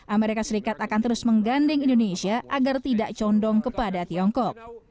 amerika serikat akan terus mengganding indonesia agar tidak condong kepada tiongkok